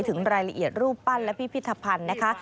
ถึงรายละเอียดรูปปั้นและพิพิธภัณฑ์นะคะ